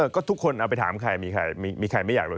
ก็ทุกคนเอาไปถามใครมีใครไม่อยากรู้